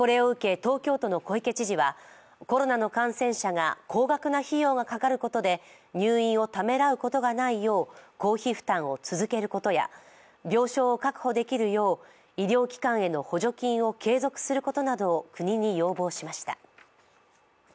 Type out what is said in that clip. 東京都の小池知事はコロナの感染者が高額な費用がかかることで入院をためらうことがないよう公費負担を続けることや病床を確保できるよう医療機関への補助金を継続することなどを国に要望しました。